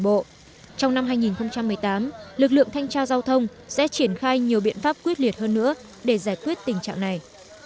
trong năm hai nghìn một mươi tám lực lượng thanh tra giao thông sẽ triển khai nhiều biện pháp quyết liệt hơn nữa để giải quyết tình trạng này